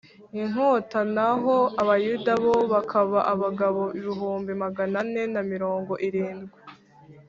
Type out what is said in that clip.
Inkota naho abayuda bo bakaba abagabo ibihumbi magana ane na mirongo irindwi